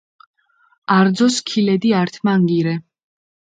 არძო სქილედი ართმანგი რე.